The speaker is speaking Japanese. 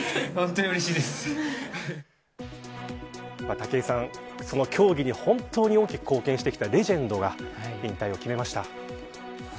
武井さん、競技に本当に大きく貢献してきたレジェンドが引退を決めました。